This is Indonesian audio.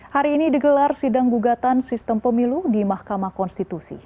hari ini digelar sidang gugatan sistem pemilu di mahkamah konstitusi